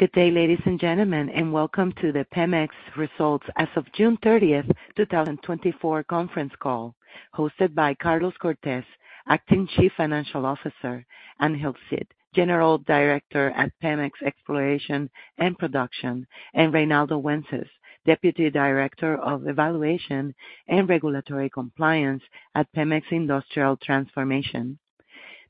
Good day, ladies and gentlemen, and welcome to the Pemex Results as of June 30, 2024 conference call, hosted by Carlos Cortez, Acting Chief Financial Officer, and Ángel Cid, General Director at Pemex Exploration and Production, and Reinaldo Wences, Deputy Director of Evaluation and Regulatory Compliance at Pemex Industrial Transformation.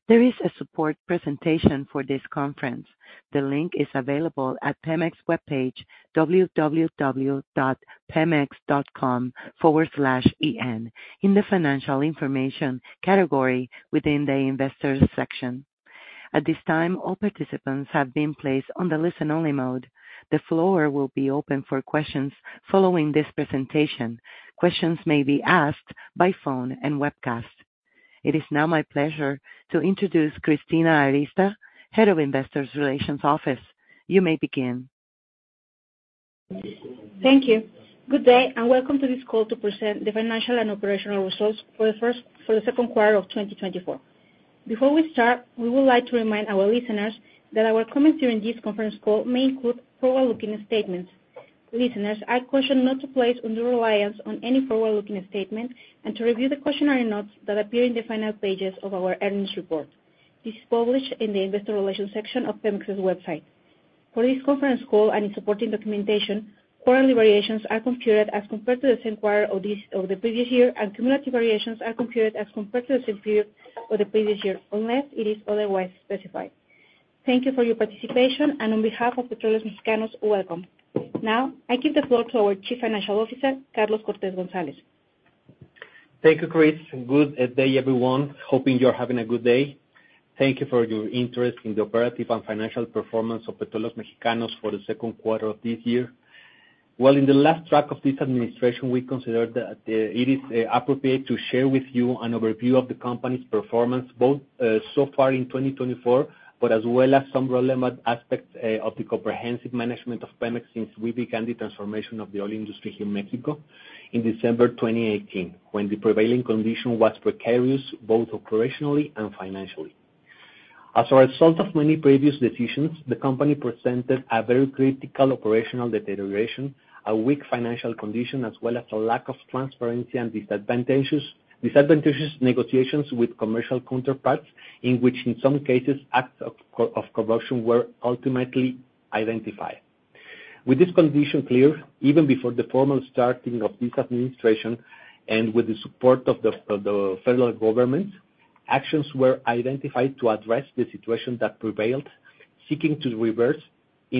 There is a support presentation for this conference. The link is available at Pemex webpage, www.pemex.com/en, in the Financial Information category within the Investors section. At this time, all participants have been placed on the listen-only mode. The floor will be open for questions following this presentation. Questions may be asked by phone and webcast. It is now my pleasure to introduce Cristina Arista, Head of Investor Relations Office. You may begin. Thank you. Good day, and welcome to this call to present the financial and operational results for the second quarter of 2024. Before we start, we would like to remind our listeners that our comments during this conference call may include forward-looking statements. Listeners are cautioned not to place undue reliance on any forward-looking statement and to review the cautionary notes that appear in the final pages of our earnings report. This is published in the Investor Relations section of Pemex's website. For this conference call and in supporting documentation, quarterly variations are computed as compared to the same quarter of the previous year, and cumulative variations are computed as compared to the same period of the previous year, unless it is otherwise specified. Thank you for your participation, and on behalf of Petróleos Mexicanos, welcome. Now, I give the floor to our Chief Financial Officer, Carlos Cortez González. Thank you, Chris. Good day, everyone. Hoping you're having a good day. Thank you for your interest in the operative and financial performance of Petróleos Mexicanos for the second quarter of this year. Well, in the last track of this administration, we consider that it is appropriate to share with you an overview of the company's performance, both so far in 2024, but as well as some relevant aspects of the comprehensive management of Pemex since we began the transformation of the oil industry here in Mexico in December 2018, when the prevailing condition was precarious, both operationally and financially. As a result of many previous decisions, the company presented a very critical operational deterioration, a weak financial condition, as well as a lack of transparency and disadvantageous, disadvantageous negotiations with commercial counterparts, in which, in some cases, acts of corruption were ultimately identified. With this condition clear, even before the formal starting of this administration, and with the support of the federal government, actions were identified to address the situation that prevailed, seeking to reverse it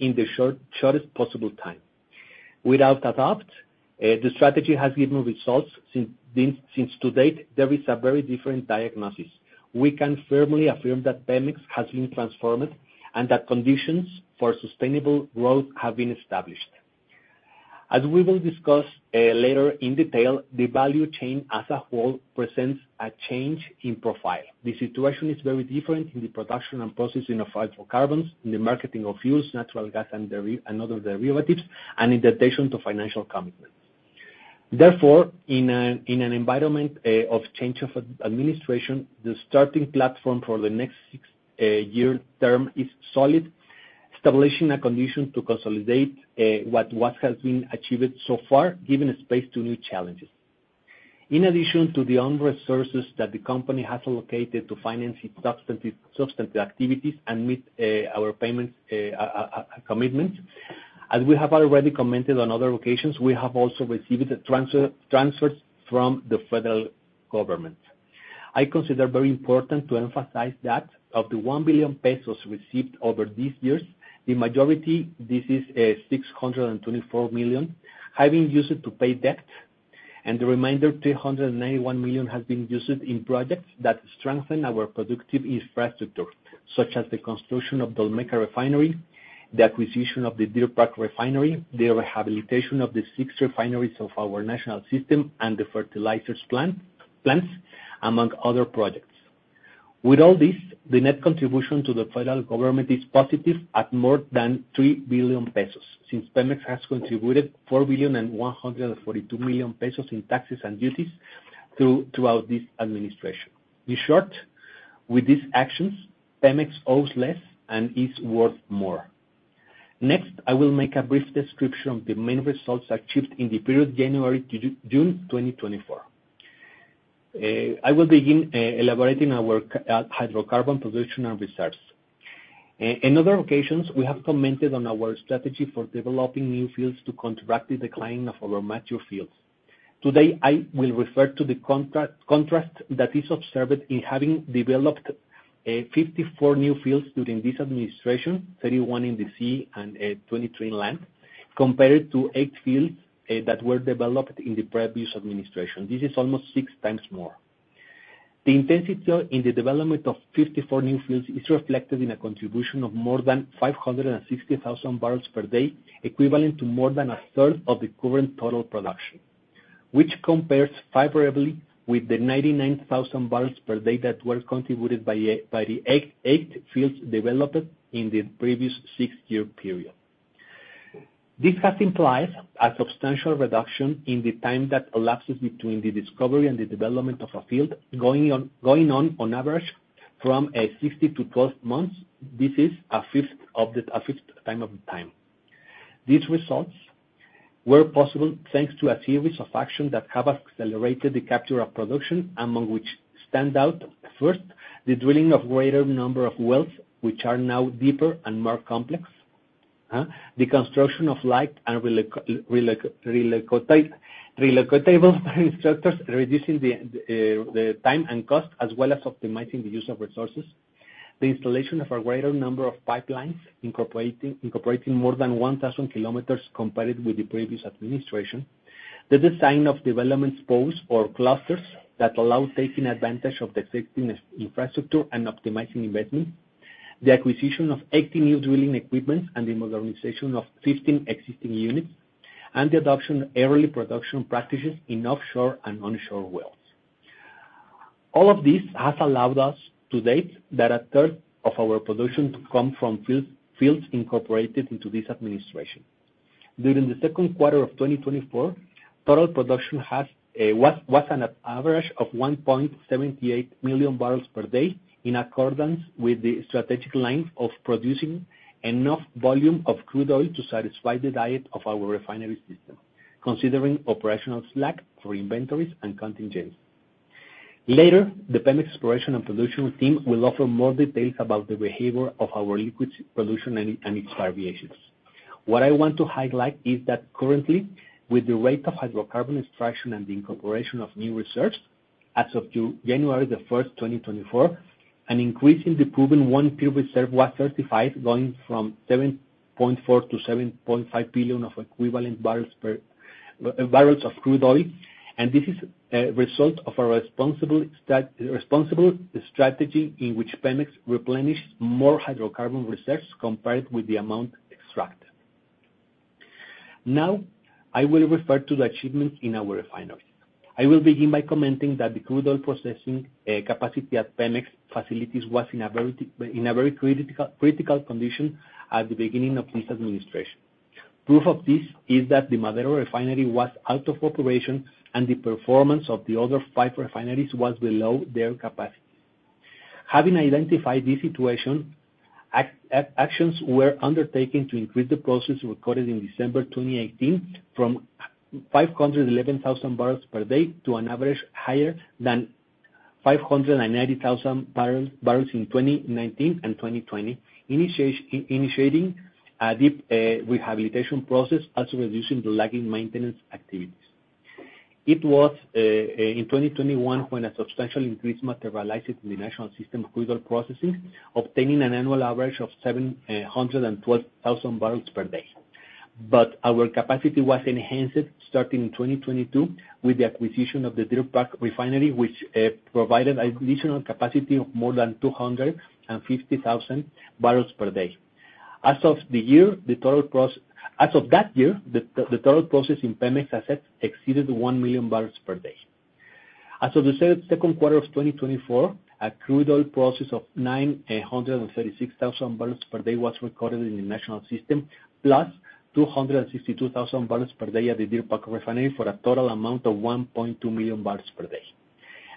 in the shortest possible time. Without a doubt, the strategy has given results since then. To date, there is a very different diagnosis. We can firmly affirm that Pemex has been transformed, and that conditions for sustainable growth have been established. As we will discuss later in detail, the value chain as a whole presents a change in profile. The situation is very different in the production and processing of hydrocarbons, in the marketing of fuels, natural gas, and derivatives, and in addition to financial commitments. Therefore, in an environment of change of administration, the starting platform for the next six year term is solid, establishing a condition to consolidate what has been achieved so far, giving space to new challenges. In addition to the own resources that the company has allocated to finance its substantive activities and meet our payments commitment, as we have already commented on other occasions, we have also received the transfers from the federal government. I consider it very important to emphasize that of the 1 billion pesos received over these years, the majority, this is, 624 million, have been used to pay debt, and the remainder, 391 million, has been used in projects that strengthen our productive infrastructure, such as the construction of the Olmeca Refinery, the acquisition of the Deer Park Refinery, the rehabilitation of the six refineries of our national system, and the fertilizers plants, among other projects. With all this, the net contribution to the federal government is positive at more than 3 billion pesos, since Pemex has contributed 4.142 billion in taxes and duties throughout this administration. In short, with these actions, Pemex owes less and is worth more. Next, I will make a brief description of the main results achieved in the period January to June 2024. I will begin elaborating our hydrocarbon production and reserves. In other occasions, we have commented on our strategy for developing new fields to counteract the decline of our mature fields. Today, I will refer to the contrast that is observed in having developed 54 new fields during this administration, 31 in the sea and 23 on land, compared to 8 fields that were developed in the previous administration. This is almost six times more. The intensity in the development of 54 new fields is reflected in a contribution of more than 560,000 barrels per day, equivalent to more than a third of the current total production, which compares favorably with the 99,000 barrels per day that were contributed by the eight fields developed in the previous six-year period. This has implied a substantial reduction in the time that elapses between the discovery and the development of a field, going on, on average, from 60-12 months. This is a fifth of the time. These results were possible, thanks to a series of actions that have accelerated the capture of production, among which stand out: first, the drilling of greater number of wells, which are now deeper and more complex, the construction of light and relocatable structures, reducing the time and cost, as well as optimizing the use of resources. The installation of a greater number of pipelines, incorporating more than 1,000 km compared with the previous administration. The design of development spokes or clusters that allow taking advantage of the existing infrastructure and optimizing investment. The acquisition of 80 new drilling equipment and the modernization of 15 existing units, and the adoption of early production practices in offshore and onshore wells. All of this has allowed us to date that a third of our production to come from field, fields incorporated into this administration. During the second quarter of 2024, total production was on an average of 1.78 million barrels per day, in accordance with the strategic lines of producing enough volume of crude oil to satisfy the diet of our refinery system, considering operational slack for inventories and contingencies. Later, the Pemex Exploration and Production team will offer more details about the behavior of our liquids production and its variations. What I want to highlight is that currently, with the rate of hydrocarbon extraction and the incorporation of new reserves, as of January 1, 2024, an increase in the proven oil field reserve was certified, going from 7.4 billion-to 7.5 billion barrels of oil equivalent. And this is a result of a responsible strategy in which PEMEX replenished more hydrocarbon reserves compared with the amount extracted. Now, I will refer to the achievements in our refineries. I will begin by commenting that the crude oil processing capacity at PEMEX facilities was in a very critical condition at the beginning of this administration. Proof of this is that the Madero Refinery was out of operation, and the performance of the other five refineries was below their capacity. Having identified this situation, actions were undertaken to increase the process recorded in December 2018, from 511,000 barrels per day to an average higher than 590,000 barrels in 2019 and 2020. Initiating a deep rehabilitation process, also reducing the lagging maintenance activities. It was in 2021, when a substantial increase materialized in the national system of crude oil processing, obtaining an annual average of 712,000 barrels per day. But our capacity was enhanced starting in 2022, with the acquisition of the Deer Park Refinery, which provided additional capacity of more than 250,000 barrels per day. As of that year, the total process in PEMEX assets exceeded 1,000,000 barrels per day. As of the second quarter of 2024, a crude oil process of 936,000 barrels per day was recorded in the national system, +262,000 barrels per day at the Deer Park Refinery, for a total amount of 1.2 million barrels per day.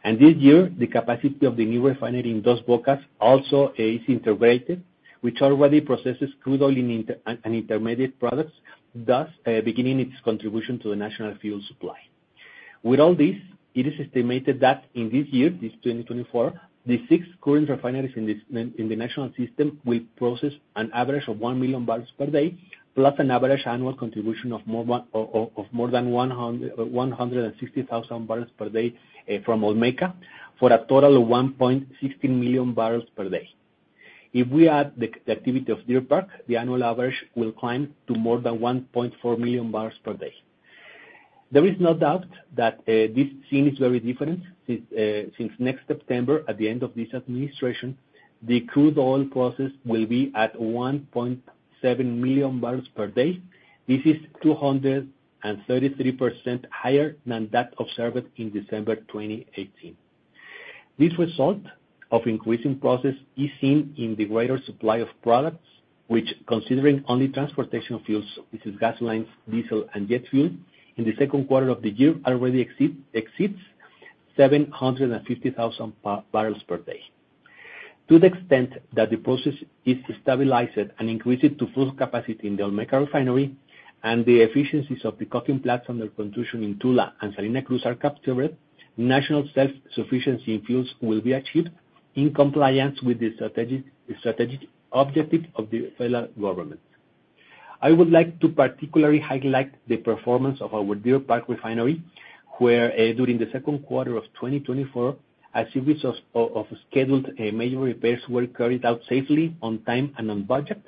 And this year, the capacity of the new refinery in Dos Bocas also is integrated, which already processes crude oil and inter- and intermediate products, thus, beginning its contribution to the national fuel supply. With all this, it is estimated that in this year, this 2024, the six current refineries in the national system will process an average of 1 million barrels per day, plus an average annual contribution of more than 160,000 barrels per day from Olmeca, for a total of 1.60 million barrels per day. If we add the activity of Deer Park, the annual average will climb to more than 1.4 million barrels per day. There is no doubt that this scene is very different, since next September, at the end of this administration, the crude oil process will be at 1.7 million barrels per day. This is 233% higher than that observed in December 2018. This result of increasing process is seen in the greater supply of products, which, considering only transportation fuels, this is gasoline, diesel, and jet fuel, in the second quarter of the year, already exceeds 750,000 barrels per day. To the extent that the process is stabilized and increased to full capacity in the Olmeca Refinery, and the efficiencies of the coking plants under construction in Tula and Salina Cruz are captured, national self-sufficiency in fuels will be achieved in compliance with the strategic, strategic objective of the federal government. I would like to particularly highlight the performance of our Deer Park Refinery, where during the second quarter of 2024, a series of scheduled major repairs were carried out safely, on time, and on budget,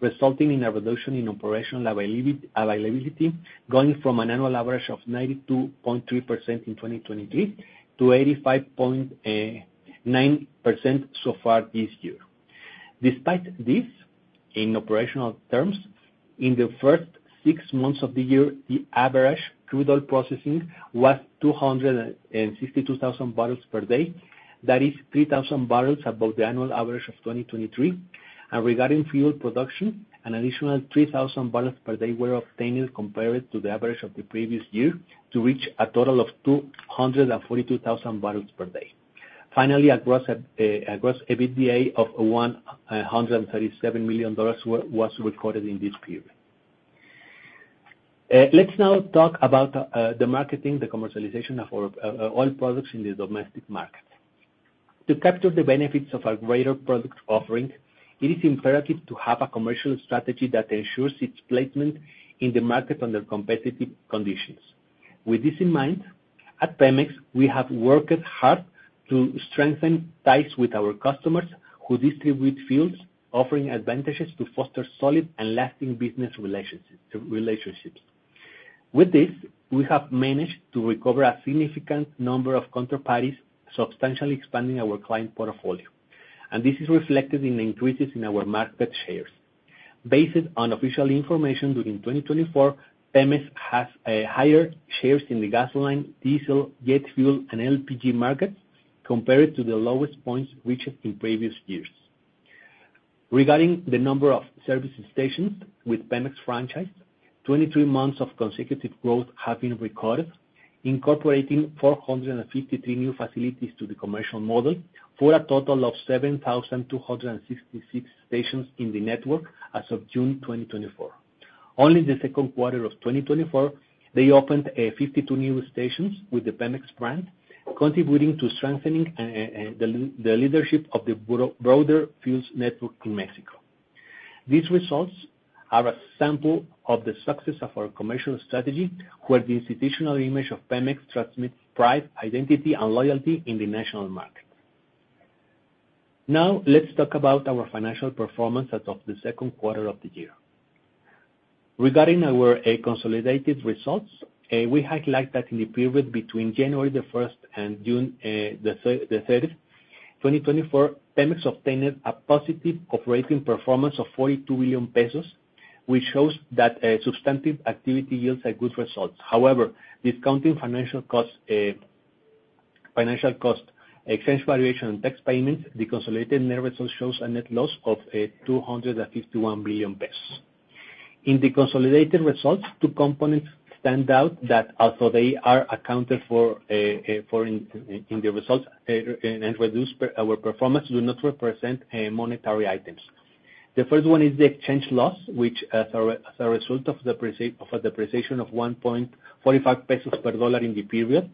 resulting in a reduction in operational availability, going from an annual average of 92.3% in 2023 to 85.9% so far this year. Despite this, in operational terms, in the first six months of the year, the average crude oil processing was 262,000 barrels per day, that is 3,000 barrels above the annual average of 2023. And regarding fuel production, an additional 3,000 barrels per day were obtained compared to the average of the previous year, to reach a total of 242,000 barrels per day. Finally, a gross EBITDA of $137 million was recorded in this period. Let's now talk about the marketing, the commercialization of our oil products in the domestic market. To capture the benefits of our greater product offering, it is imperative to have a commercial strategy that ensures its placement in the market under competitive conditions. With this in mind, at Pemex, we have worked hard to strengthen ties with our customers who distribute fuels, offering advantages to foster solid and lasting business relationships. With this, we have managed to recover a significant number of counterparties, substantially expanding our client portfolio, and this is reflected in the increases in our market shares. Based on official information, during 2024, Pemex has higher shares in the gasoline, diesel, jet fuel, and LPG markets compared to the lowest points reached in previous years. Regarding the number of service stations with Pemex franchise, 23 months of consecutive growth have been recorded, incorporating 453 new facilities to the commercial model, for a total of 7,266 stations in the network as of June 2024. Only the second quarter of 2024, they opened 52 new stations with the Pemex brand, contributing to strengthening the leadership of the broader fuels network in Mexico. These results are a sample of the success of our commercial strategy, where the institutional image of Pemex transmits pride, identity, and loyalty in the national market. Now, let's talk about our financial performance as of the second quarter of the year. Regarding our consolidated results, we highlight that in the period between January 1 and June 30, 2024, Pemex obtained a positive operating performance of 42 billion pesos, which shows that substantive activity yields are good results. However, discounting financial costs, financial cost, exchange valuation, and tax payments, the consolidated net results shows a net loss of 251 billion pesos. In the consolidated results, two components stand out that although they are accounted for in the results, and reduce per our performance, do not represent monetary items. The first one is the exchange loss, which, as a result of the depreciation of 1.45 pesos per dollar in the period,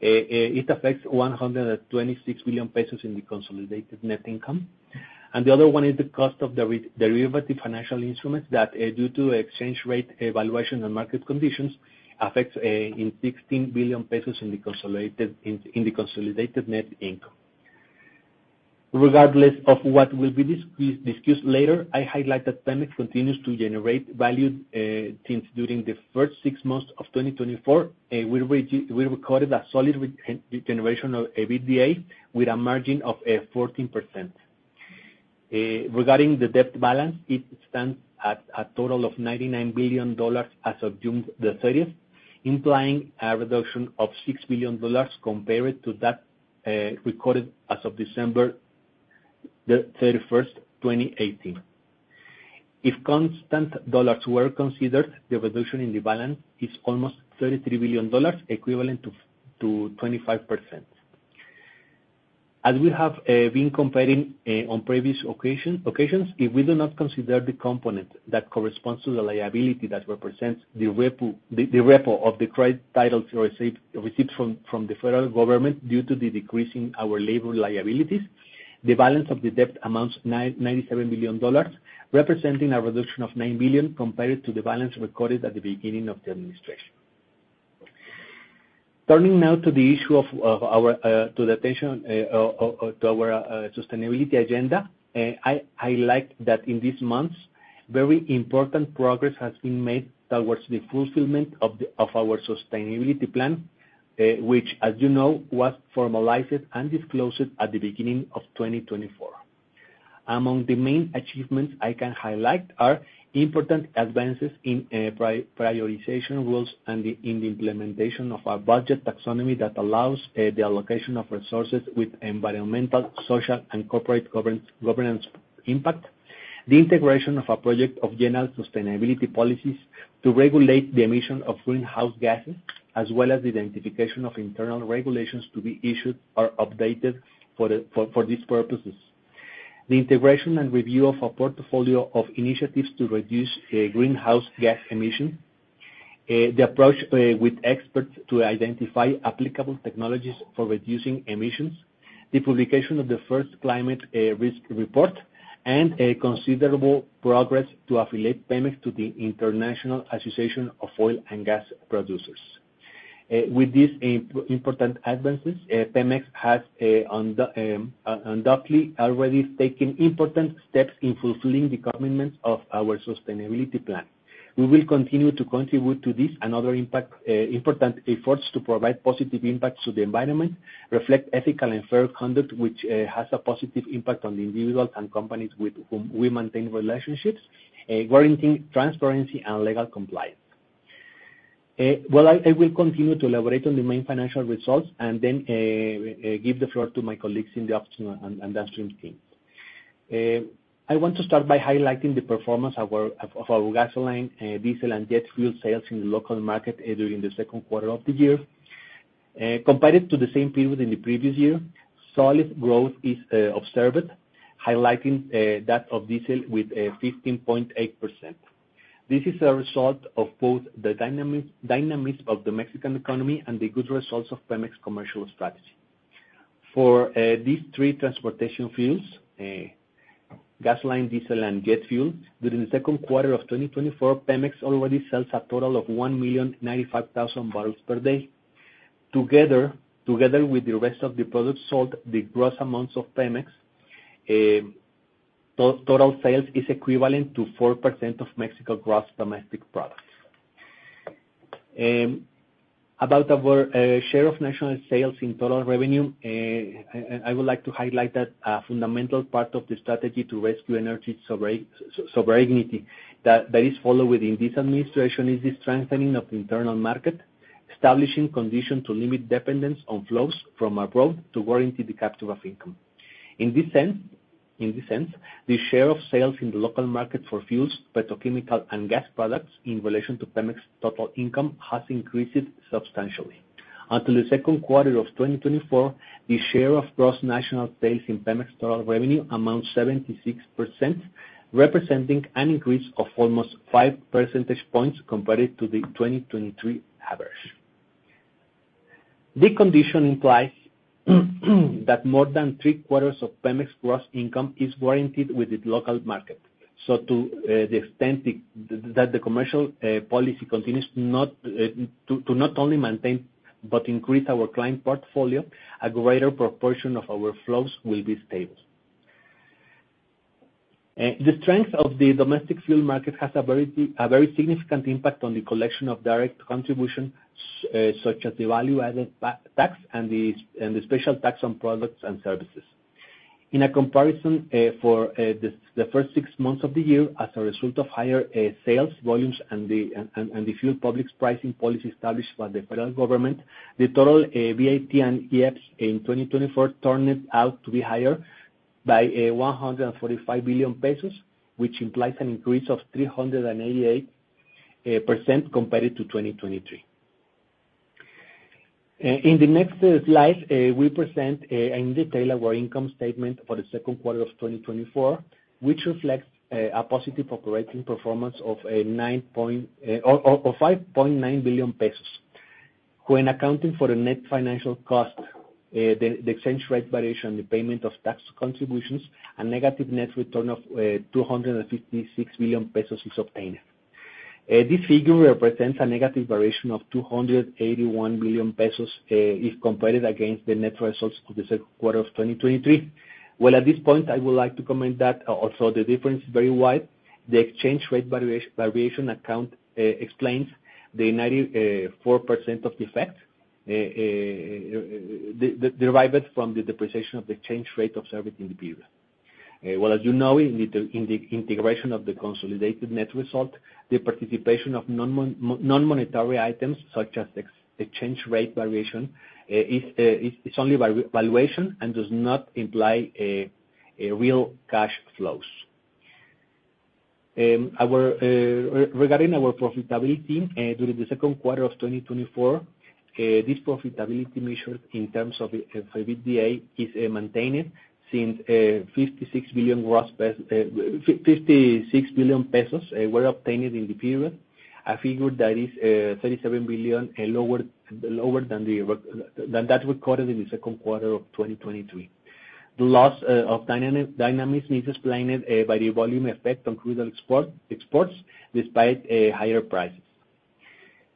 it affects 126 billion pesos in the consolidated net income. And the other one is the cost of the derivative financial instruments that, due to exchange rate evaluation and market conditions, affects in 16 billion pesos in the consolidated net income. Regardless of what will be discussed later, I highlight that Pemex continues to generate value, since during the first six months of 2024, we recorded a solid regeneration of EBITDA with a margin of 14%. Regarding the debt balance, it stands at a total of $99 billion as of June 30, implying a reduction of $6 billion compared to that recorded as of December 31, 2018. If constant dollars were considered, the reduction in the balance is almost $33 billion, equivalent to 25%. As we have been comparing on previous occasions, if we do not consider the component that corresponds to the liability that represents the repo, the repo of the credit titles received from the federal government due to the decrease in our labor liabilities, the balance of the debt amounts $97 billion, representing a reduction of $9 billion compared to the balance recorded at the beginning of the administration. Turning now to the issue of our sustainability agenda, I like that in these months, very important progress has been made towards the fulfillment of our sustainability plan, which, as you know, was formalized and disclosed at the beginning of 2024. Among the main achievements I can highlight are important advances in prioritization rules and in the implementation of our budget taxonomy that allows the allocation of resources with environmental, social, and corporate governance impact. The integration of a project of general sustainability policies to regulate the emission of greenhouse gases, as well as the identification of internal regulations to be issued or updated for these purposes. The integration and review of a portfolio of initiatives to reduce greenhouse gas emission. The approach with experts to identify applicable technologies for reducing emissions. The publication of the first climate risk report, and a considerable progress to affiliate Pemex to the International Association of Oil and Gas Producers. With these important advances, Pemex has undoubtedly already taken important steps in fulfilling the commitments of our sustainability plan. We will continue to contribute to this and other important efforts to provide positive impacts to the environment, reflect ethical and fair conduct, which has a positive impact on the individuals and companies with whom we maintain relationships, guaranteeing transparency and legal compliance. Well, I will continue to elaborate on the main financial results, and then give the floor to my colleagues in the upstream and downstream team. I want to start by highlighting the performance of our gasoline, diesel and jet fuel sales in the local market during the second quarter of the year. Compared to the same period in the previous year, solid growth is observed, highlighting that of diesel with 15.8%. This is a result of both the dynamics of the Mexican economy and the good results of Pemex commercial strategy. For these three transportation fuels, gasoline, diesel, and jet fuel, during the second quarter of 2024, Pemex already sells a total of 1.095 million barrels per day. Together with the rest of the products sold, the gross amounts of Pemex total sales is equivalent to 4% of Mexico gross domestic products. About our share of national sales in total revenue, I would like to highlight that a fundamental part of the strategy to rescue energy sovereignty, that is followed within this administration, is the strengthening of internal market, establishing condition to limit dependence on flows from abroad to guarantee the capture of income. In this sense, the share of sales in the local market for fuels, petrochemical and gas products in relation to Pemex total income, has increased substantially. Until the second quarter of 2024, the share of gross national sales in Pemex total revenue amounts 76%, representing an increase of almost 5 percentage points compared to the 2023 average. This condition implies that more than three quarters of Pemex gross income is warranted with its local market. So to the extent that the commercial policy continues to not only maintain, but increase our client portfolio, a greater proportion of our flows will be stable. The strength of the domestic fuel market has a very significant impact on the collection of direct contribution, such as the value-added tax, and the special tax on products and services. In a comparison, for the first six months of the year, as a result of higher sales volumes and the fuel public pricing policy established by the federal government, the total VAT and IEPS in 2024 turned out to be higher by 145 billion pesos, which implies an increase of 388% compared to 2023. In the next slide, we present in detail our income statement for the second quarter of 2024, which reflects a positive operating performance of 5.9 billion pesos. When accounting for the net financial cost, the exchange rate variation, the payment of tax contributions, a negative net return of 256 billion pesos is obtained. This figure represents a negative variation of 281 billion pesos, if compared against the net results for the second quarter of 2023. Well, at this point, I would like to comment that also the difference is very wide. The exchange rate variation account explains the 94% of the effect derived from the depreciation of the exchange rate observed in the period. Well, as you know, in the integration of the consolidated net result, the participation of non-monetary items, such as exchange rate variation, is only valuation and does not imply real cash flows. Regarding our profitability, during the second quarter of 2024, this profitability measure in terms of EBITDA is maintained at 56 billion pesos, which were obtained in the period. A figure that is 37 billion lower than that recorded in the second quarter of 2023. The loss of dynamics is explained by the volume effect on crude oil exports, despite higher prices.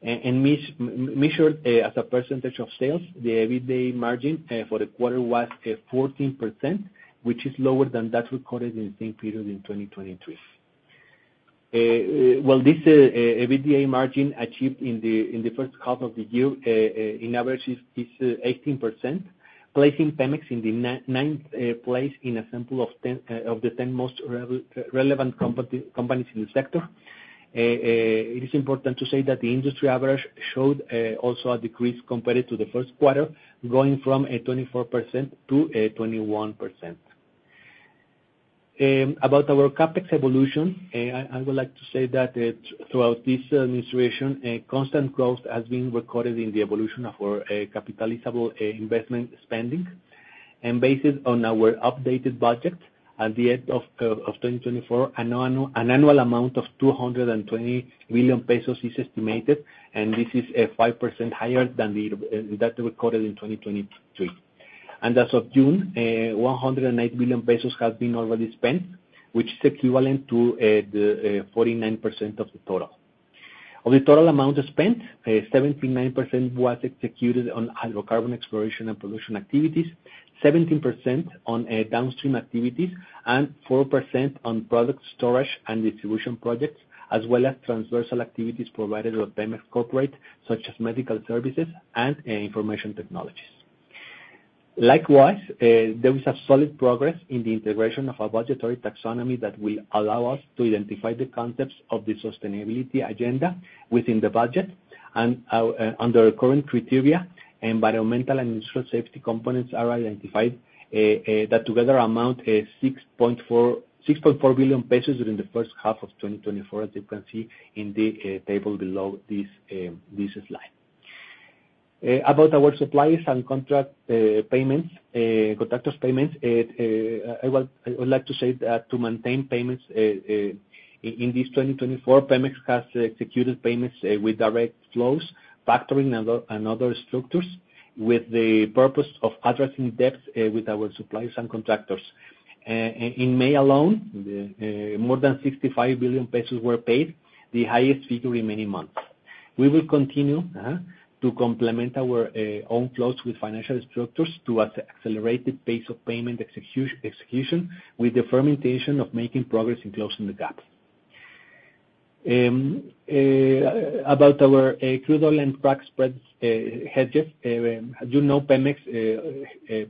Measured as a percentage of sales, the EBITDA margin for the quarter was 14%, which is lower than that recorded in the same period in 2023. Well, this EBITDA margin achieved in the first half of the year, in average is 18%, placing Pemex in the ninth place in a sample of 10 of the 10 most relevant companies in the sector. It is important to say that the industry average showed also a decrease compared to the first quarter, going from a 24%-21%. About our CapEx evolution, I would like to say that throughout this administration, a constant growth has been recorded in the evolution of our capitalizable investment spending. Based on our updated budget at the end of 2024, an annual amount of 220 billion pesos is estimated, and this is 5% higher than that recorded in 2023. As of June, 108 billion pesos has been already spent, which is equivalent to the 49% of the total. Of the total amount spent, 79% was executed on hydrocarbon exploration and production activities, 17% on downstream activities, and 4% on product storage and distribution projects, as well as transversal activities provided by Pemex corporate, such as medical services and information technologies. Likewise, there is solid progress in the integration of our budgetary taxonomy that will allow us to identify the concepts of the sustainability agenda within the budget. Under our current criteria, environmental and industrial safety components are identified that together amount to 6.4 billion pesos within the first half of 2024, as you can see in the table below this slide. About our suppliers and contractors' payments, I would like to say that to maintain payments in 2024, Pemex has executed payments with direct flows, factoring and other structures, with the purpose of addressing debts with our suppliers and contractors. In May alone, more than 65 billion pesos were paid, the highest figure in many months. We will continue to complement our own flows with financial structures to accelerate the pace of payment execution, with the firm intention of making progress in closing the gap. About our crude oil and crack spreads hedges, as you know, Pemex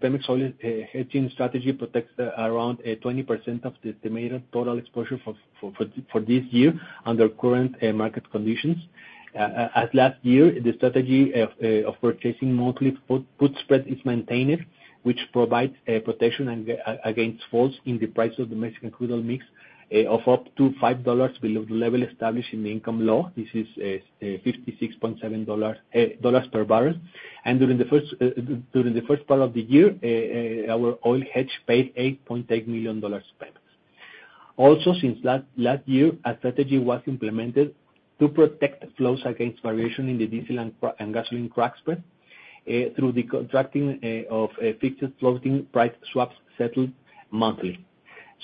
Pemex oil hedging strategy protects around 20% of the estimated total exposure for this year under current market conditions. As last year, the strategy of purchasing monthly forward spread is maintained, which provides a protection against falls in the price of the Mexican crude oil mix of up to $5 below the level established in the income law. This is $56.7 per barrel. During the first part of the year, our oil hedge paid $8.8 million to Pemex. Also, since last year, a strategy was implemented to protect flows against variation in the diesel and gasoline crack spread, through the contracting of fixed floating price swaps settled monthly.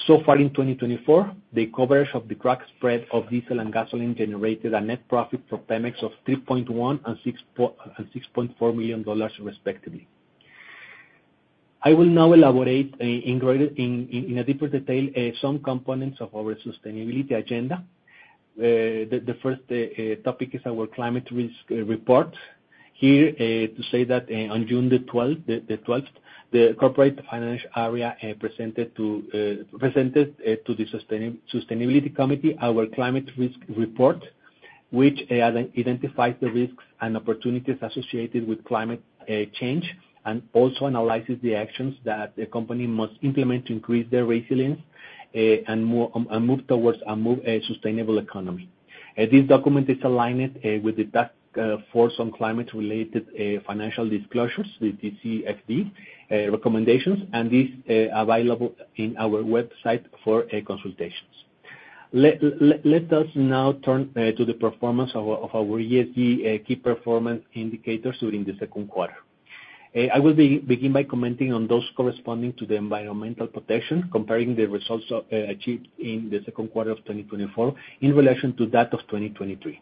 So far in 2024, the coverage of the crack spread of diesel and gasoline generated a net profit for Pemex of $3.1 million and $6.4 million, respectively. I will now elaborate in a deeper detail some components of our sustainability agenda. The first topic is our climate risk report. Here to say that on June the twelfth the corporate financial area presented to the sustainability committee our climate risk report, which identifies the risks and opportunities associated with climate change, and also analyzes the actions that the company must implement to increase their resilience and move towards a more sustainable economy. This document is aligned with the Task Force on Climate-related Financial Disclosures, the TCFD recommendations, and is available on our website for consultations. Let us now turn to the performance of our ESG key performance indicators during the second quarter. I will begin by commenting on those corresponding to the environmental protection, comparing the results achieved in the second quarter of 2024 in relation to that of 2023.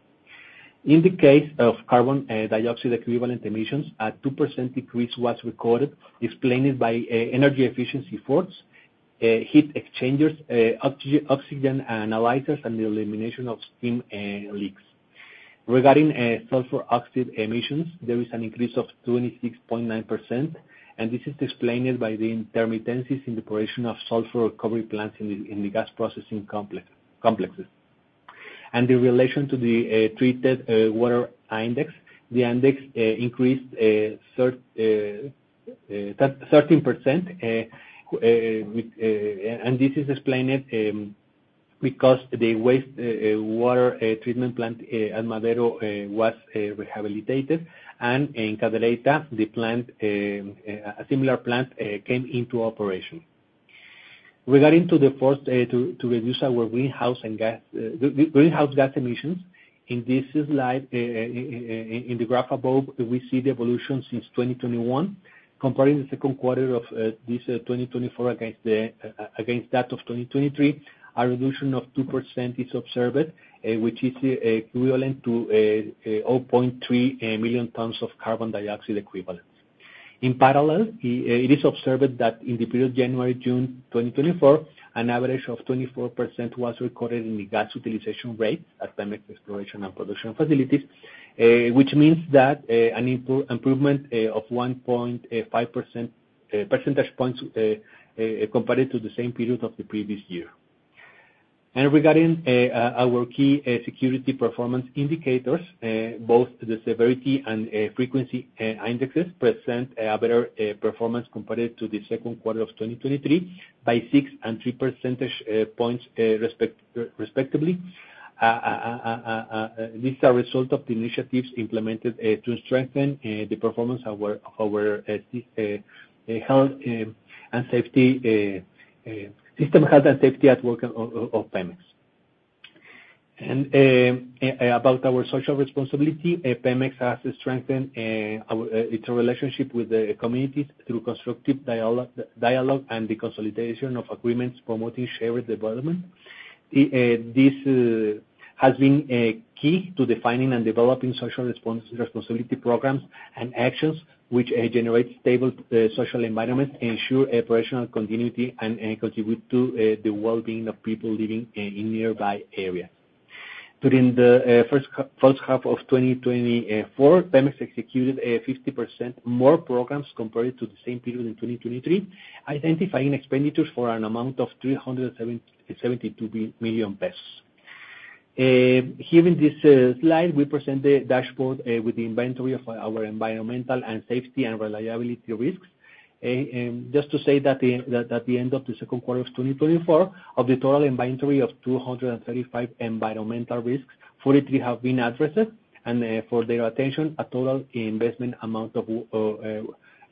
In the case of carbon dioxide equivalent emissions, a 2% decrease was recorded, explained by energy efficiency efforts, heat exchangers, oxygen analyzers, and the elimination of steam leaks. Regarding sulfur oxide emissions, there is an increase of 26.9%, and this is explained by the intermittencies in the operation of sulfur recovery plants in the gas processing complexes. In relation to the treated water index, the index increased 13%, and this is explained because the waste water treatment plant at Madero was rehabilitated, and in Cadereyta, the plant, a similar plant came into operation. Regarding to the efforts to reduce our greenhouse gas emissions, in this slide, in the graph above, we see the evolution since 2021. Comparing the second quarter of this 2024 against that of 2023, a reduction of 2% is observed, which is equivalent to 0.3 million tons of carbon dioxide equivalent. In parallel, it is observed that in the period January, June 2024, an average of 24% was recorded in the gas utilization rate at Pemex Exploration and Production facilities, which means that an improvement of one point five percentage points compared to the same period of the previous year. Regarding our key security performance indicators, both the severity and frequency indexes present a better performance compared to the second quarter of 2023 by six and three percentage points, respectively. This is a result of the initiatives implemented to strengthen the performance of our health and safety system health and safety at work of Pemex. About our social responsibility, Pemex has strengthened its relationship with the communities through constructive dialogue and the consolidation of agreements promoting shared development. This has been key to defining and developing social responsibility programs and actions which generate stable social environment, ensure operational continuity, and contribute to the well-being of people living in nearby areas. During the first half of 2024, Pemex executed 50% more programs compared to the same period in 2023, identifying expenditures for an amount of 372 million pesos. Here in this slide, we present the dashboard with the inventory of our environmental and safety and reliability risks. Just to say that at the end of the second quarter of 2024, of the total inventory of 235 environmental risks, 43 have been addressed. For their attention, a total investment amount of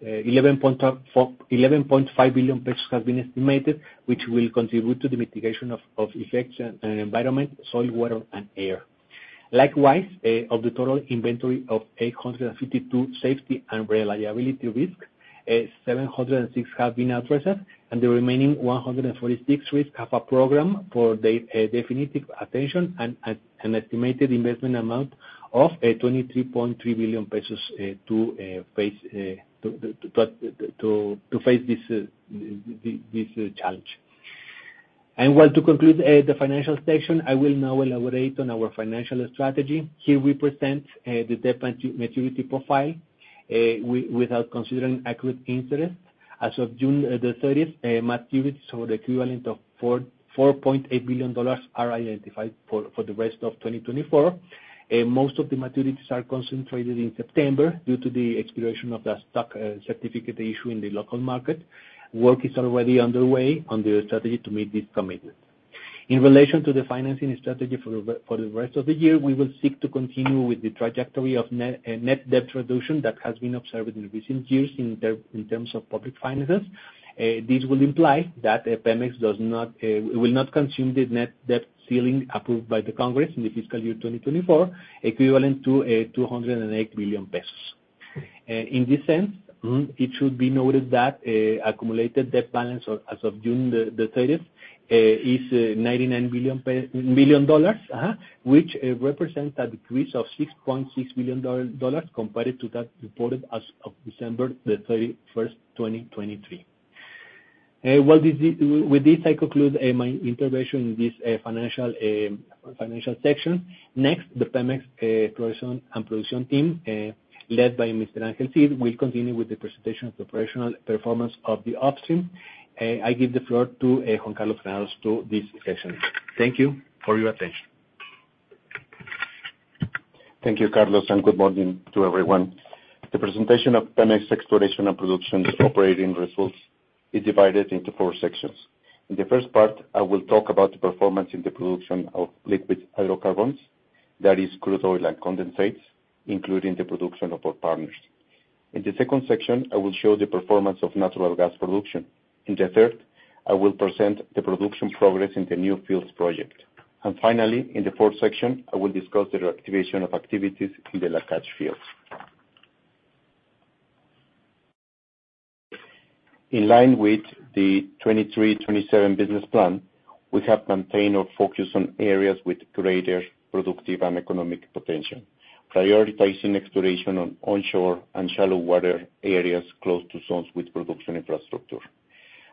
11.5 billion pesos has been estimated, which will contribute to the mitigation of effects, environment, soil, water, and air. Likewise, of the total inventory of 852 safety and reliability risk, 706 have been addressed, and the remaining 146 risk have a program for definitive attention, and an estimated investment amount of 23.3 billion pesos to face this challenge. Well, to conclude the financial section, I will now elaborate on our financial strategy. Here we present the debt maturity profile without considering accrued interest. As of June 30, maturities or the equivalent of $4.8 billion are identified for the rest of 2024. Most of the maturities are concentrated in September due to the expiration of the stock certificate issue in the local market. Work is already underway on the strategy to meet this commitment. In relation to the financing strategy for the rest of the year, we will seek to continue with the trajectory of net debt reduction that has been observed in recent years in terms of public finances. This will imply that Pemex does not will not consume the net debt ceiling approved by the Congress in the fiscal year 2024, equivalent to 208 billion pesos. In this sense, it should be noted that accumulated debt balance as of June 30 is $99 billion, which represents a decrease of $6.6 billion compared to that reported as of December 31, 2023. Well, with this, I conclude my intervention in this financial section. Next, the Pemex Exploration and Production team, led by Mr. Ángel Cid, will continue with the presentation of the operational performance of the upstream. I give the floor to Juan Francisco to this session. Thank you for your attention. Thank you, Carlos, and good morning to everyone. The presentation of Pemex Exploration and Production's operating results is divided into four sections. In the first part, I will talk about the performance in the production of liquid hydrocarbons, that is crude oil and condensates, including the production of our partners. In the second section, I will show the performance of natural gas production. In the third, I will present the production progress in the new fields project. And finally, in the fourth section, I will discuss the reactivation of activities in the Lakach field. In line with the 2023/2027 business plan, we have maintained our focus on areas with greater productive and economic potential, prioritizing exploration on onshore and shallow water areas close to zones with production infrastructure.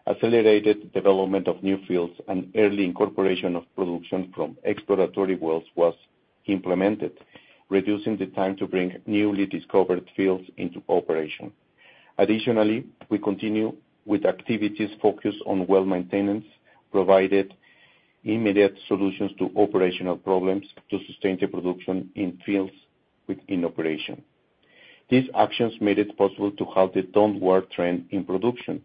Accelerated development of new fields and early incorporation of production from exploratory wells was implemented, reducing the time to bring newly discovered fields into operation. Additionally, we continue with activities focused on well maintenance, provided immediate solutions to operational problems to sustain the production in fields within operation. These actions made it possible to have the downward trend in production,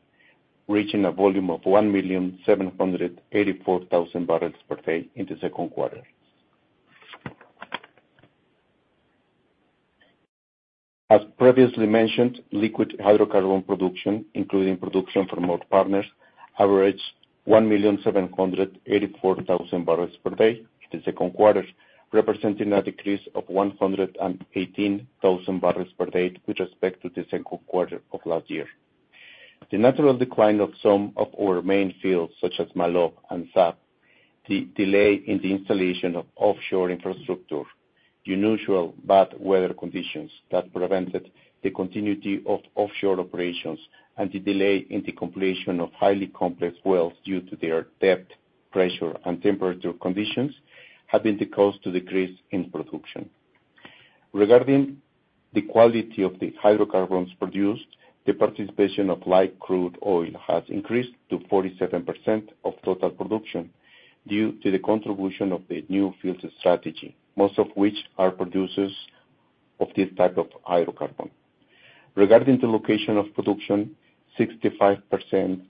reaching a volume of 1.784 million barrels per day in the second quarter. As previously mentioned, liquid hydrocarbon production, including production from our partners, averaged 1.784 million barrels per day in the second quarter, representing a decrease of 118,000 barrels per day with respect to the second quarter of last year. The natural decline of some of our main fields, such as Maloob and Zaap, the delay in the installation of offshore infrastructure, unusual bad weather conditions that prevented the continuity of offshore operations, and the delay in the completion of highly complex wells due to their depth, pressure, and temperature conditions, have been the cause to decrease in production. Regarding the quality of the hydrocarbons produced, the participation of light crude oil has increased to 47% of total production due to the contribution of the new field's strategy, most of which are producers of this type of hydrocarbon. Regarding the location of production, 65%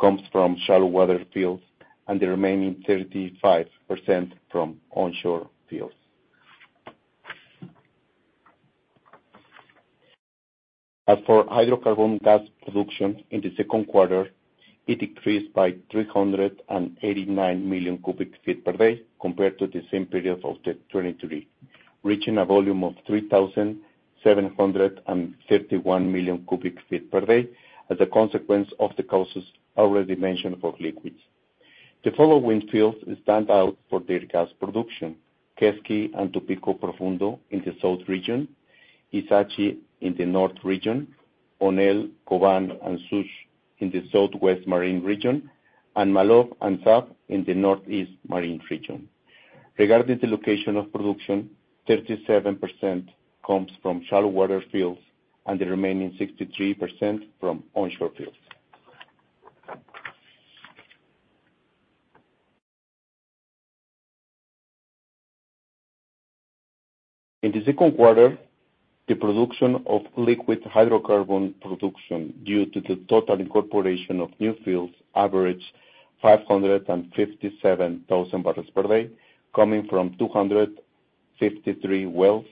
comes from shallow water fields, and the remaining 35% from onshore fields. As for hydrocarbon gas production, in the second quarter, it decreased by 389 million cubic feet per day compared to the same period of 2023, reaching a volume of 3.731 million cubic feet per day as a consequence of the causes already mentioned for liquids. The following fields stand out for their gas production: Quesqui and Tupilco Profundo in the Southern region, Ixachi in the north region, Onel, Koban, and Suuk in the Southwest Marine region, and Maloob and Zaap in the Northeast Marine region. Regarding the location of production, 37% comes from shallow water fields, and the remaining 63% from onshore fields. In the second quarter, the production of liquid hydrocarbon production, due to the total incorporation of new fields, averaged 557,000 barrels per day, coming from 253 wells,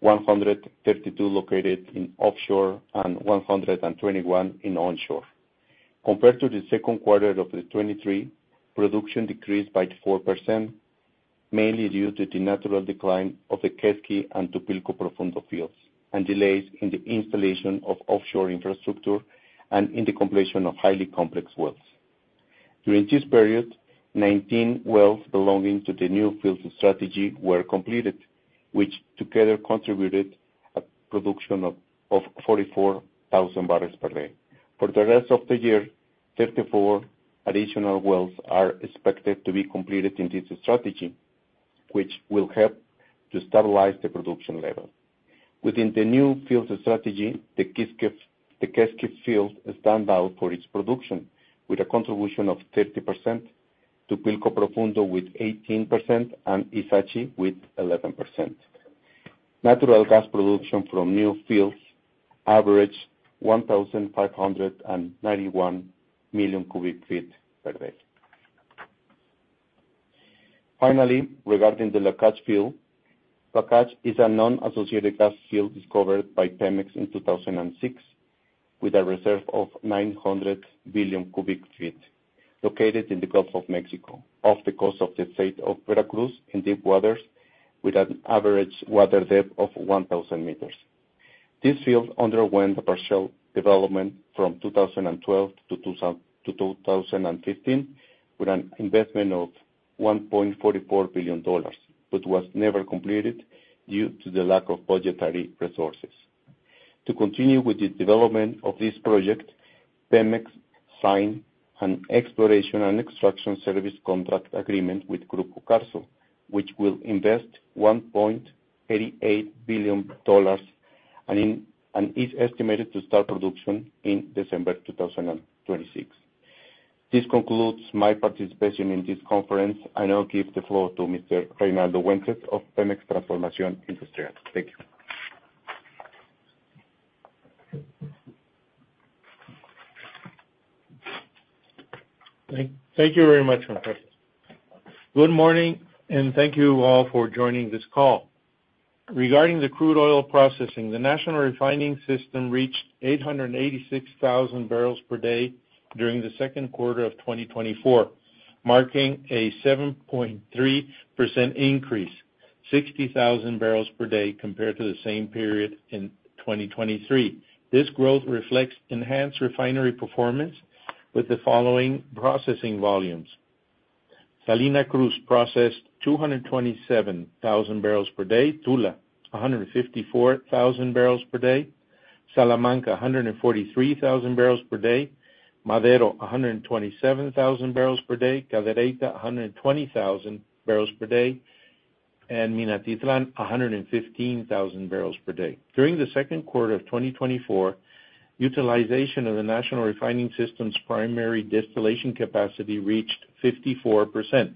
152 located in offshore and 121 in onshore. Compared to the second quarter of 2023, production decreased by 4%, mainly due to the natural decline of the Quesqui and Tupilco Profundo fields, and delays in the installation of offshore infrastructure and in the completion of highly complex wells. During this period, 19 wells belonging to the new field strategy were completed, which together contributed a production of 44,000 barrels per day. For the rest of the year, 34 additional wells are expected to be completed in this strategy, which will help to stabilize the production level. Within the new field strategy, the Quesqui, the Quesqui field stand out for its production, with a contribution of 30%, Tupilco Profundo with 18%, and Ixachi with 11%. Natural gas production from new fields averaged 1,591 million cubic feet per day. Finally, regarding the Lakach field, Lakach is a non-associated gas field discovered by Pemex in 2006, with a reserve of 900 billion cubic feet, located in the Gulf of Mexico, off the coast of the state of Veracruz, in deep waters, with an average water depth of 1,000 m. This field underwent a partial development from 2012-2015, with an investment of $1.44 billion, but was never completed due to the lack of budgetary resources. To continue with the development of this project, Pemex signed an exploration and extraction service contract agreement with Grupo Carso, which will invest $1.88 billion, and is estimated to start production in December 2026. This concludes my participation in this conference. I now give the floor to Mr. Reinaldo Wences of Pemex Transformación Industrial. Thank you. Thank you very much, Juan Francisco. Good morning, and thank you all for joining this call. Regarding the crude oil processing, the national refining system reached 886,000 barrels per day during the second quarter of 2024, marking a 7.3% increase, 60,000 barrels per day compared to the same period in 2023. This growth reflects enhanced refinery performance with the following processing volumes: Salina Cruz processed 227,000 barrels per day, Tula, 154,000 barrels per day, Salamanca, 143,000 barrels per day, Madero, 127,000 barrels per day, Cadereyta, 120,000 barrels per day, and Minatitlán, 115,000 barrels per day. During the second quarter of 2024, utilization of the national refining system's primary distillation capacity reached 54%,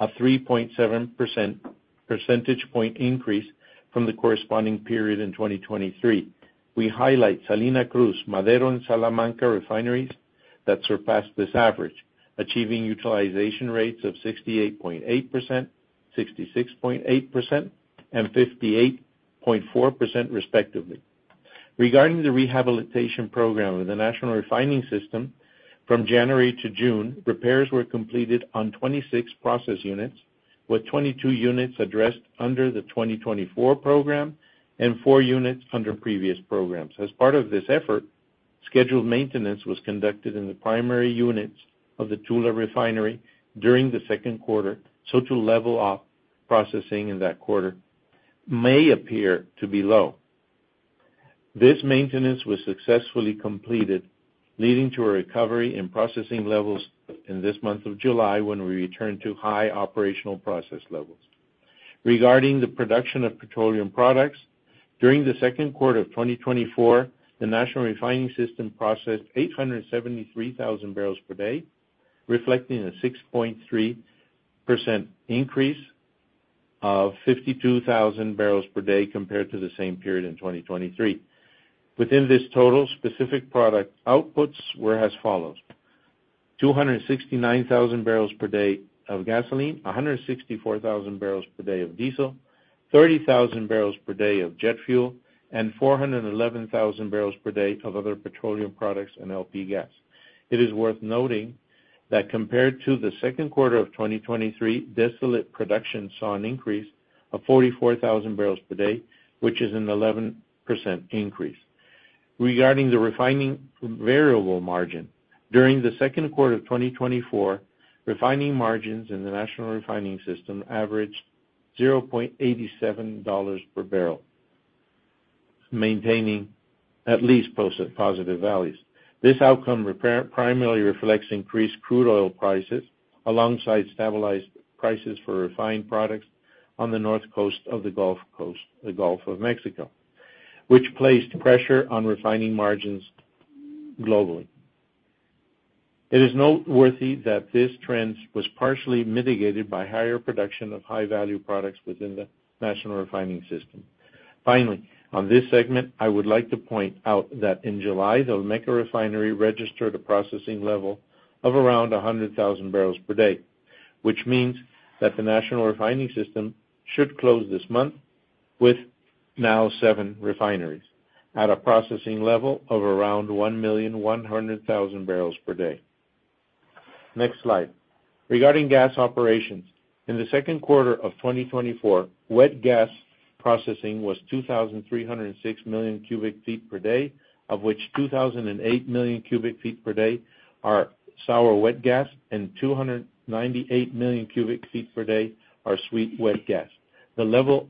a 3.7 percentage point increase from the corresponding period in 2023. We highlight Salina Cruz, Madero, and Salamanca refineries that surpassed this average, achieving utilization rates of 68.8%, 66.8%, and 58.4%, respectively. Regarding the rehabilitation program of the national refining system, from January to June, repairs were completed on 26 process units, with 22 units addressed under the 2024 program and 4 units under previous programs. As part of this effort, scheduled maintenance was conducted in the primary units of the Tula Refinery during the second quarter, so to level off, processing in that quarter may appear to be low. This maintenance was successfully completed, leading to a recovery in processing levels in this month of July, when we returned to high operational process levels. Regarding the production of petroleum products, during the second quarter of 2024, the national refining system processed 873,000 barrels per day, reflecting a 6.3% increase of 52,000 barrels per day compared to the same period in 2023. Within this total, specific product outputs were as follows: 269,000 barrels per day of gasoline, 164,000 barrels per day of diesel, 30,000 barrels per day of jet fuel, and 411,000 barrels per day of other petroleum products and LP gas. It is worth noting that compared to the second quarter of 2023, distillate production saw an increase of 44,000 barrels per day, which is an 11% increase. Regarding the refining variable margin, during the second quarter of 2024, refining margins in the national refining system averaged $0.87 per barrel, maintaining at least positive values. This outcome primarily reflects increased crude oil prices, alongside stabilized prices for refined products on the north coast of the Gulf Coast, the Gulf of Mexico, which placed pressure on refining margins globally. It is noteworthy that this trend was partially mitigated by higher production of high-value products within the national refining system. Finally, on this segment, I would like to point out that in July, the Olmeca Refinery registered a processing level of around 100,000 barrels per day, which means that the National Refining System should close this month with now seven refineries at a processing level of around 1.1 million barrels per day. Next slide. Regarding gas operations, in the second quarter of 2024, wet gas processing was 2.306 million cubic feet per day, of which 2.008 million cubic feet per day are sour wet gas and 298 million cubic feet per day are sweet wet gas. The level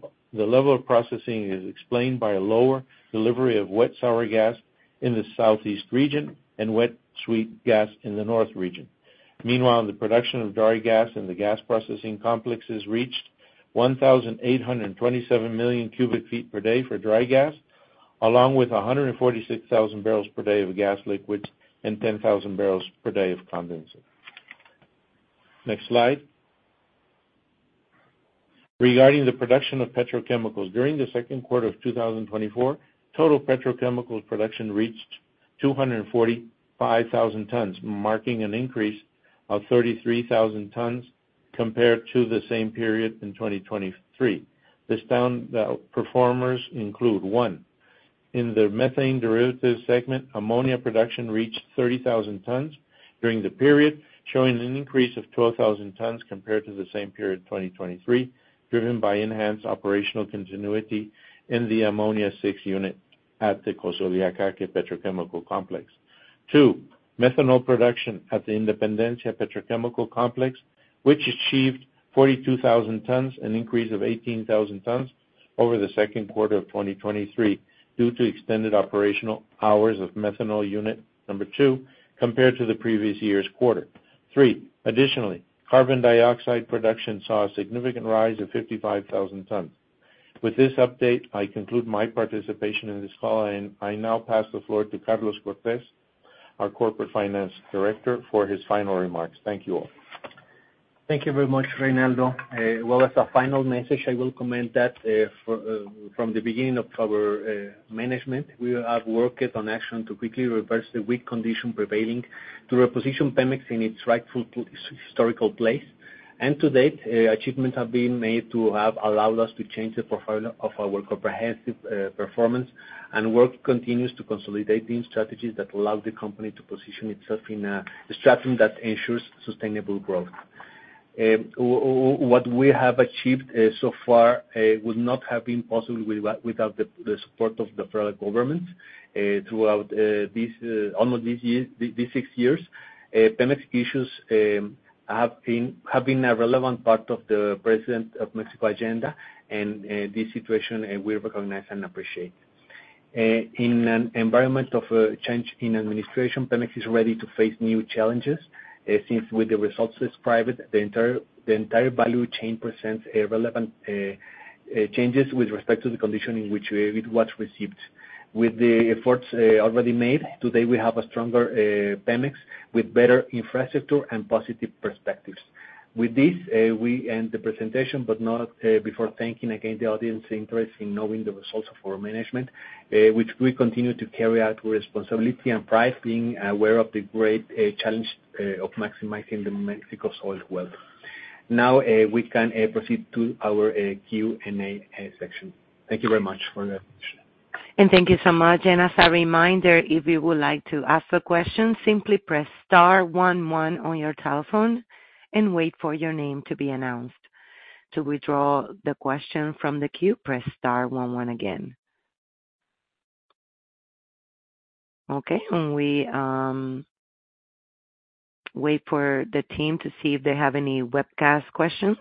of processing is explained by a lower delivery of wet sour gas in the Southeast region and wet sweet gas in the North region. Meanwhile, the production of dry gas in the gas processing complexes reached 1,827 million cubic feet per day for dry gas, along with 146,000 barrels per day of gas liquids and 10,000 barrels per day of condenser. Next slide. Regarding the production of petrochemicals, during the second quarter of 2024, total petrochemicals production reached 245,000 tons, marking an increase of 33,000 tons compared to the same period in 2023. The top performers include, one, in the methane derivatives segment, ammonia production reached 30,000 tons during the period, showing an increase of 12,000 tons compared to the same period in 2023, driven by enhanced operational continuity in the Ammonia six unit at the Cosoleacaque Petrochemical Complex. Two, methanol production at the Independencia Petrochemical Complex, which achieved 42,000 tons, an increase of 18,000 tons over the second quarter of 2023, due to extended operational hours of methanol unit number 2, compared to the previous year's quarter. Three, additionally, carbon dioxide production saw a significant rise of 55,000 tons. With this update, I conclude my participation in this call, and I now pass the floor to Carlos Cortez, our Corporate Finance Director, for his final remarks. Thank you all. Thank you very much, Reynaldo. Well, as a final message, I will comment that, from the beginning of our management, we have worked on action to quickly reverse the weak condition prevailing to reposition Pemex in its rightful historical place. To date, achievements have been made to have allowed us to change the profile of our comprehensive performance, and work continues to consolidate these strategies that allow the company to position itself in a stratum that ensures sustainable growth. What we have achieved so far would not have been possible without the support of the federal government, throughout this almost these years, these six years. Pemex issues have been a relevant part of the President of Mexico's agenda, and this situation we recognize and appreciate. In an environment of change in administration, Pemex is ready to face new challenges, since with the results described, the entire value chain presents relevant changes with respect to the condition in which it was received. With the efforts already made, today, we have a stronger Pemex with better infrastructure and positive perspectives. With this, we end the presentation, but not before thanking again the audience interest in knowing the results of our management, which we continue to carry out with responsibility and pride, being aware of the great challenge of maximizing Mexico's oil wealth. Now, we can proceed to our Q&A section. Thank you very much for the attention. Thank you so much. As a reminder, if you would like to ask a question, simply press star one one on your telephone and wait for your name to be announced. To withdraw the question from the queue, press star one one again. Okay, and we wait for the team to see if they have any webcast questions.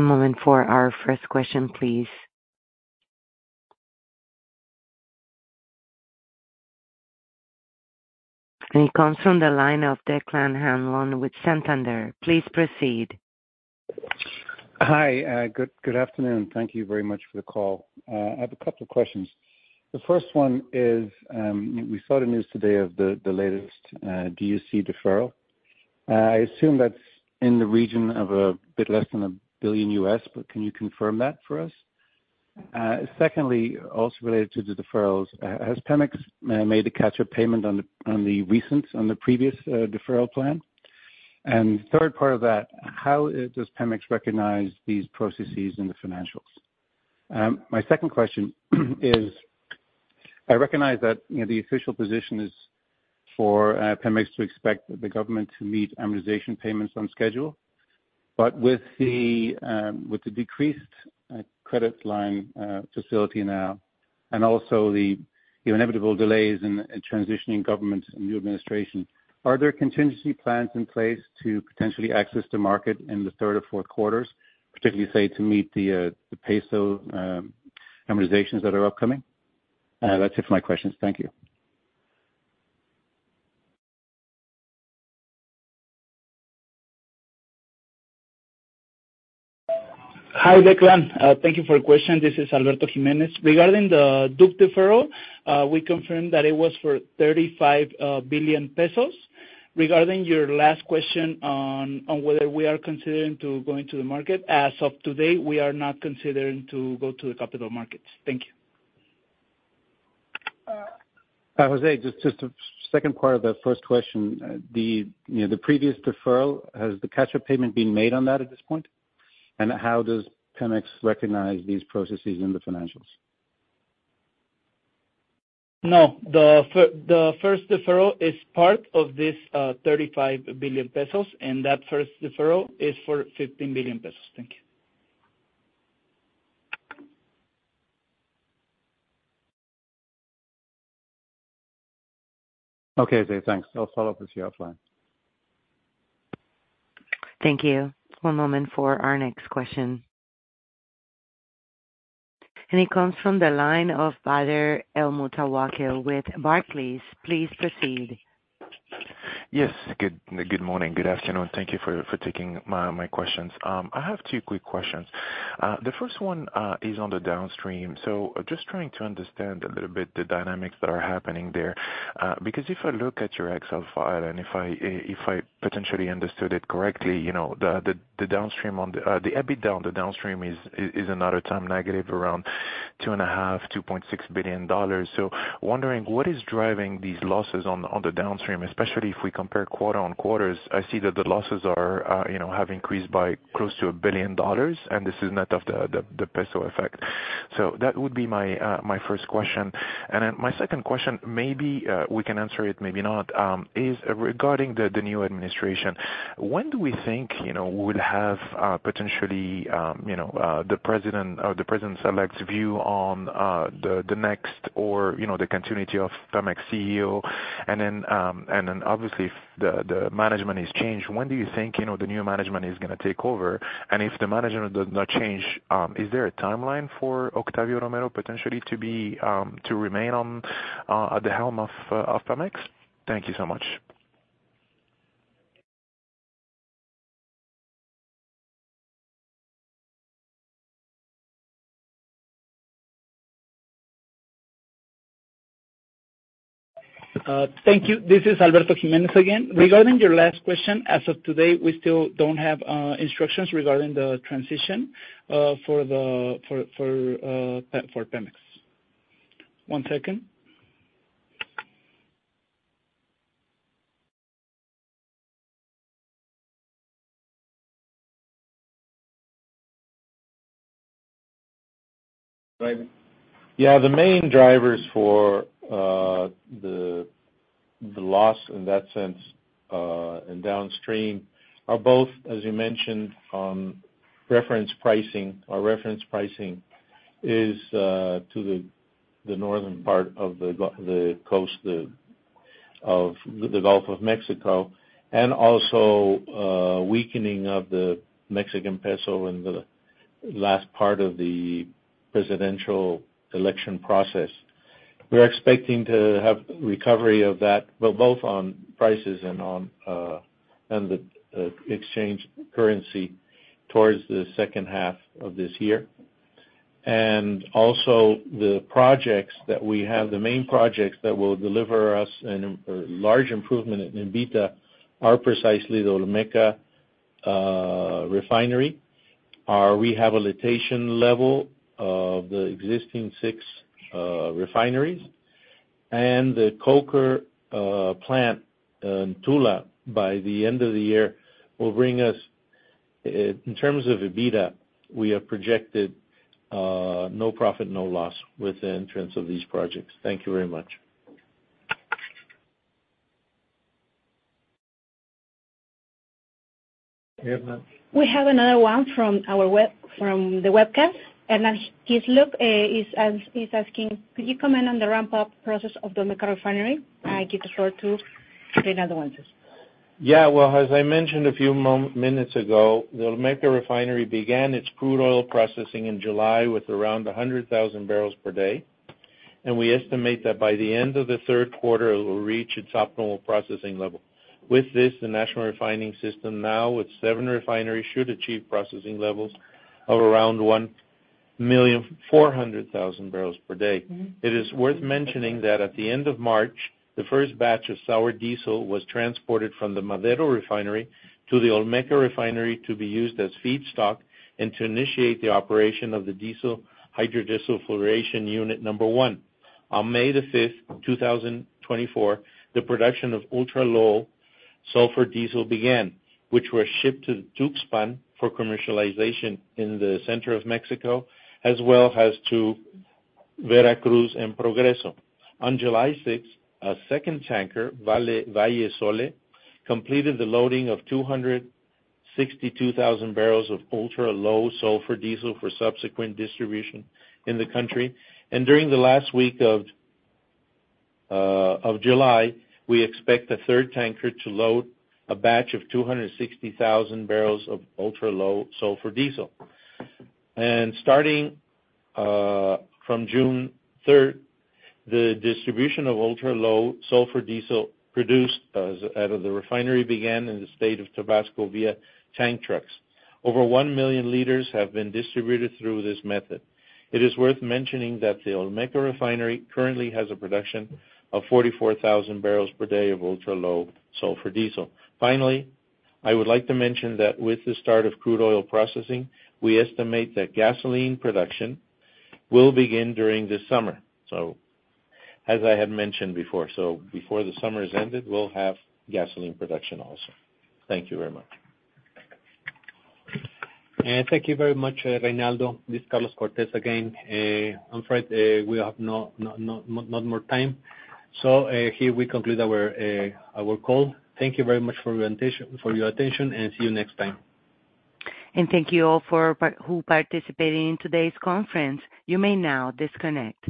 One moment for our first question, please. It comes from the line of Declan Hanlon with Santander. Please proceed. Hi, good, good afternoon. Thank you very much for the call. I have a couple of questions. The first one is, we saw the news today of the, the latest, DUC deferral. I assume that's in the region of a bit less than $1 billion, but can you confirm that for us? Secondly, also related to the deferrals, has Pemex made a catch-up payment on the, on the recent, on the previous, deferral plan? And third part of that, how does Pemex recognize these processes in the financials? My second question is, I recognize that, you know, the official position is for, Pemex to expect the government to meet amortization payments on schedule. But with the decreased credit line facility now, and also the inevitable delays in transitioning government and new administration, are there contingency plans in place to potentially access the market in the third or fourth quarters, particularly, say, to meet the peso amortizations that are upcoming? That's it for my questions. Thank you. Hi, Declan. Thank you for your question. This is Alberto Jiménez. Regarding the DUC deferral, we confirm that it was for 35 billion pesos. Regarding your last question on whether we are considering to going to the market, as of today, we are not considering to go to the capital markets. Thank you. Jose, just, just a second part of that first question. The, you know, the previous deferral, has the catch-up payment been made on that at this point? And how does Pemex recognize these processes in the financials? No, the first deferral is part of this 35 billion pesos, and that first deferral is for 15 billion pesos. Thank you. Okay, José. Thanks. I'll follow up with you offline. Thank you. One moment for our next question. It comes from the line of Bader El-Muttwakel with Barclays. Please proceed. Yes, good morning, good afternoon. Thank you for taking my questions. I have two quick questions. The first one is on the downstream. So just trying to understand a little bit the dynamics that are happening there. Because if I look at your Excel file, and if I potentially understood it correctly, you know, the downstream on the EBITDA on the downstream is another time negative around $2.5 billion-$2.6 billion. So wondering, what is driving these losses on the downstream, especially if we compare quarter-on-quarter? I see that the losses are, you know, have increased by close to $1 billion, and this is net of the peso effect. So that would be my first question. And then my second question, maybe, we can answer it, maybe not, is regarding the new administration. When do we think, you know, we would have, potentially, you know, the president or the president-elect's view on, the next or, you know, the continuity of Pemex CEO? And then obviously, if the management is changed, when do you think, you know, the new management is gonna take over? And if the management does not change, is there a timeline for Octavio Romero potentially to be, to remain on, at the helm of, of Pemex? Thank you so much. Thank you. This is Alberto Jiménez again. Regarding your last question, as of today, we still don't have instructions regarding the transition for Pemex. One second. Reinaldo? Yeah, the main drivers for the loss in that sense in downstream are both, as you mentioned, reference pricing. Our reference pricing is to the northern part of the Gulf of Mexico coast, and also weakening of the Mexican peso in the last part of the presidential election process. We're expecting to have recovery of that, but both on prices and on the exchange currency towards the second half of this year. And also, the projects that we have, the main projects that will deliver us a large improvement in EBITDA, are precisely the Olmeca Refinery. Our rehabilitation level of the existing six refineries and the coker plant in Tula by the end of the year will bring us, in terms of EBITDA, we have projected no profit, no loss with the entrance of these projects. Thank you very much. We have another one from our webcast. His question is: he's asking: Could you comment on the ramp-up process of the Olmeca Refinery? I give the floor to Reinaldo Wences. Yeah. Well, as I mentioned a few minutes ago, the Olmeca Refinery began its crude oil processing in July with around 100,000 barrels per day. We estimate that by the end of the third quarter, it will reach its optimal processing level. With this, the national refining system, now with seven refineries, should achieve processing levels of around 1.4 million barrels per day. Mm-hmm. It is worth mentioning that at the end of March, the first batch of sour diesel was transported from the Madero Refinery to the Olmeca Refinery to be used as feedstock and to initiate the operation of the diesel hydrodesulfurization unit number one. On May 5, 2024, the production of ultra-low sulfur diesel began, which were shipped to Tuxpan for commercialization in the center of Mexico, as well as to Veracruz and Progreso. On July 6, a second tanker, Valle Sole, completed the loading of 262,000 barrels of ultra-low sulfur diesel for subsequent distribution in the country. During the last week of July, we expect a third tanker to load a batch of 260,000 barrels of ultra-low sulfur diesel. Starting from June third, the distribution of ultra-low sulfur diesel produced out of the refinery began in the state of Tabasco via tank trucks. Over 1 million liters have been distributed through this method. It is worth mentioning that the Olmeca Refinery currently has a production of 44,000 barrels per day of ultra-low sulfur diesel. Finally, I would like to mention that with the start of crude oil processing, we estimate that gasoline production will begin during this summer. So as I had mentioned before, so before the summer is ended, we'll have gasoline production also. Thank you very much. Thank you very much, Reinaldo. This is Carlos Cortez again. I'm afraid we have no more time. So, here we conclude our call. Thank you very much for your attention, and see you next time. Thank you all who participated in today's conference. You may now disconnect.